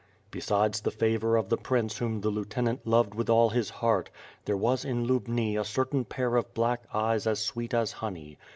Besides the favor of the prince whom the lieutenant loved with all his heart, there was in Lubni a certain pair of black eyes as sweet as honey.